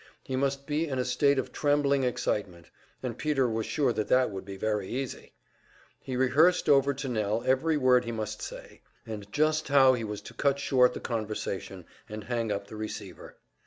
He must be in a state of trembling excitement; and Peter was sure that would be very easy! He rehearsed over to Nell every word he must say, and just how he was to cut short the conversation and hang up the receiver.